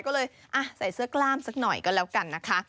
ก็เลยใส่เสื้อกล้ามสักหน่อยก็แล้วกันนะคะ